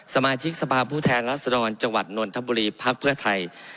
สมาชิกสภาพผู้แทนรัศดรจังหวัดนนทบุรีพักเพื่อไทย